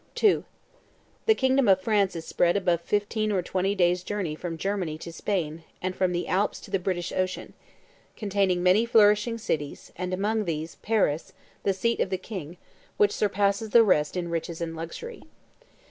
II. The kingdom of France is spread above fifteen or twenty days' journey from Germany to Spain, and from the Alps to the British Ocean; containing many flourishing cities, and among these Paris, the seat of the king, which surpasses the rest in riches and luxury.